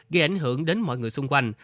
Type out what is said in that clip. gây ảnh hưởng đến mọi người xung quanh